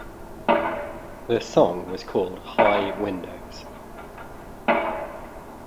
The song was called "High Windows".